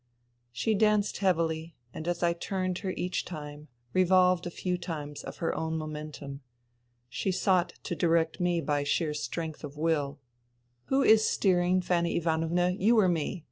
... She danced heavily ; and as I turned her each time, revolved a few times of her own momentum. She sought to direct me by sheer strength of will. Who is steering, Fanny Ivanovna ? You or me